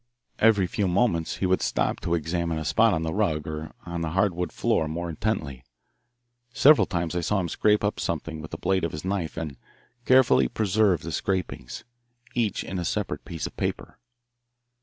Every few moments he would stop to examine a spot on the rug or on the hardwood floor more intently. Several times I saw him scrape up something with the blade of his knife and carefully preserve the scrapings, each in a separate piece of paper.